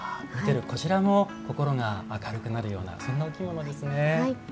見てるこちらも心が明るくなるようなそんなお着物ですね。